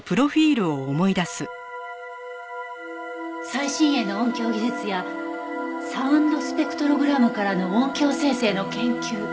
「最新鋭の音響技術やサウンドスペクトログラムからの音響生成の研究」？